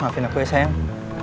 maafin aku ya sayang